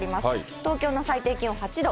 東京の最低気温８度。